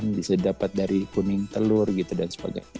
bisa dapat dari kuning telur gitu dan sebagainya